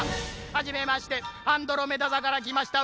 「はじめましてアンドロメダ座からきました